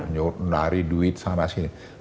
menari duit sana sini